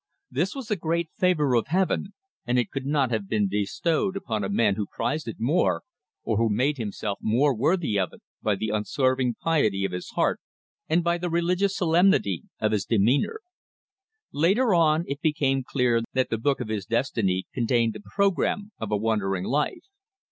This was a great favour of Heaven, and it could not have been bestowed upon a man who prized it more, or who made himself more worthy of it by the unswerving piety of his heart and by the religious solemnity of his demeanour. Later on it became clear that the book of his destiny contained the programme of a wandering life.